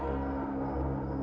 tidak salah saja